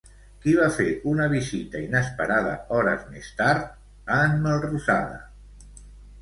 Qui va fer una visita inesperada hores més tard a en Melrosada?